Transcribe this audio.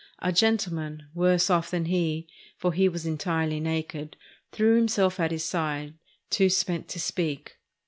A gentleman, worse off than he, for he was en tirely naked, threw himself at his side, too spent to speak.